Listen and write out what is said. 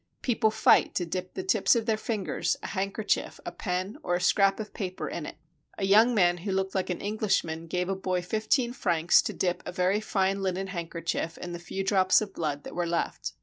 People fight to dip the tips of their fingers, a handkerchief, a pen, or a scrap of paper, in it. A young man who looked like an Englishman gave a boy fifteen francs to dip a very fine linen handkerchief in the few drops of blood that were left.